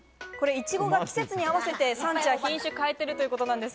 いちごは季節に合わせて産地や品種を変えているということです。